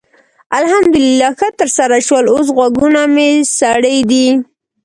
الحمدلله ښه ترسره شول؛ اوس غوږونه مې سړې دي.